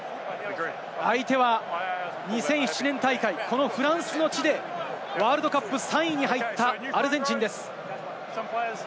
相手は、２００７年大会、フランスの地でワールドカップ３位に入ったアルゼンチンです。